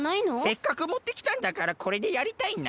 せっかくもってきたんだからこれでやりたいな。